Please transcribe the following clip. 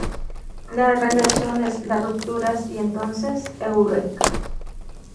Las relaciones, las rupturas… y entonces ¡eureka!